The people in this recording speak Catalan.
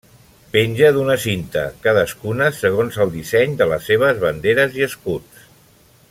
Penja d'una cinta, cadascuna segons el disseny de les seves banderes i escuts.